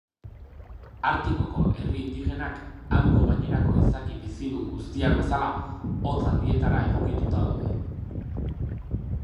Artikoko herri indigenak, hango gainerako izaki bizidun guztiak bezala, hotz handietara egokituta daude.